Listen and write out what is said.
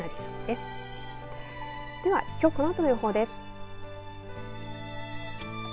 ではきょうこのあとの予報です。